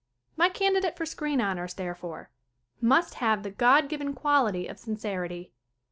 My candidate for screen honors, therefore, must have the God given quality of sincerity.